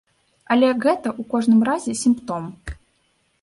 Але гэта, у кожным разе, сімптом.